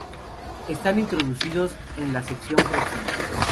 Están introducidos en la sección próxima.